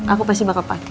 aku pasti bakal pakai